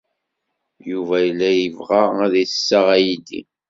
Yuba yella yebɣa ad d-iseɣ aydi.